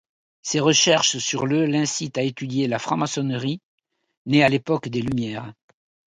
Ses recherches sur le l'incitent à étudier la franc-maçonnerie, née à l'époque des Lumières.